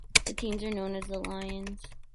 The teams are known as the "Lions".